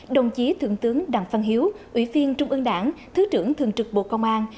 đồng chí thượng tướng đặng văn hiếu ủy viên trung ương đảng thứ trưởng thường trực bộ công an